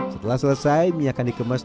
setelah selesai mie akan dikemas